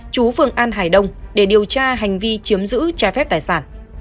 chú phường an hải đông để điều tra hành vi chiếm giữ trái phép tài sản